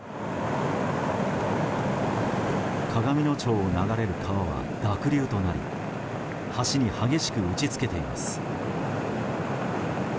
鏡野町を流れる川は濁流となり橋に激しく打ち付けています。